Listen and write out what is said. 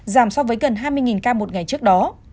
giảm so với gần hai mươi ca một ngày trước đó